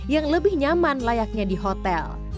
yang lebih nyaman layaknya di hotel